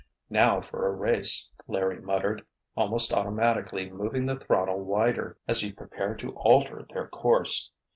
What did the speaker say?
Now for a race, Larry muttered, almost automatically moving the throttle wider as he prepared to alter their course.